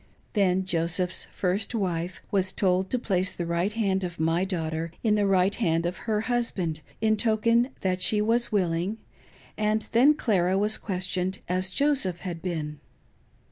Then Joseph's first wife was told to place the right hand of my daughter in the right hand of her husband, in token that she was willing ; and then Clara was questioned, as Joseph had been.